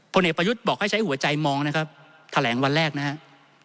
เอกประยุทธ์บอกให้ใช้หัวใจมองนะครับแถลงวันแรกนะครับ